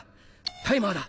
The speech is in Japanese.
タイマーだ！